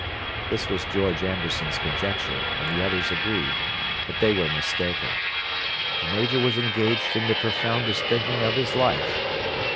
This was George Amberson's conjecture, and the others agreed; but they were mistaken. The Major was engaged in the profoundest thinking of his life.